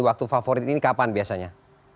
waktu favorit ini kapan biasanya